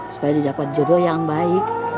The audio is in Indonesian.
supaya dia dapat jodoh yang baik